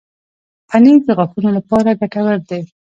پنېر د غاښونو لپاره ګټور دی.